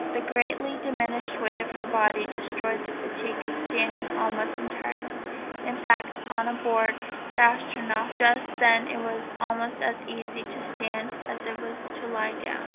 The greatly diminished weight of her body destroyed the fatigue of standing almost entirely. In fact, on board the Astronef just then it was almost as easy to stand as it was to lie down.